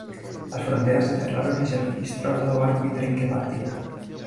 Las fronteras se cerraron y se registró a todo barco y tren que partía.